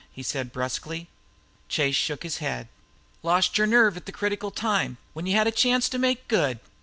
he said, brusquely. Chase shook his head. "Lost your nerve at the critical time, when you had a chance to make good.